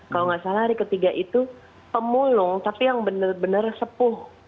kalau nggak salah hari ketiga itu pemulung tapi yang benar benar sepuh